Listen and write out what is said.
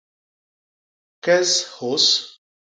Kes hyôs.